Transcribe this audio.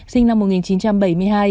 sinh năm một nghìn chín trăm bảy mươi hai